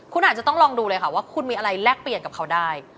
คุณอาจจะต้องลองดูเลยค่ะว่าคุณมีอะไรแลกเปลี่ยนกับเขาได้